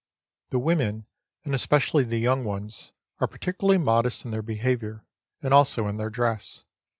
The women, and especially the young ones, are particularly modest in their behaviour, and' also in their dress.